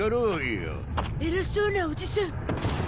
偉そうなおじさん。